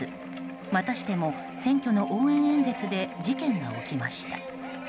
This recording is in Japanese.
またしても、選挙の応援演説で事件が起きました。